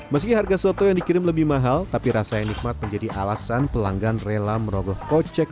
meski harga soto yang dikirim lebih mahal tapi rasa yang nikmat menjadi alasan pelanggan rela merogoh kocek